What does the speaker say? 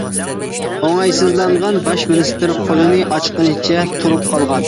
ئوڭايسىزلانغان باش مىنىستىر قولىنى ئاچقىنىچە تۇرۇپ قالغان.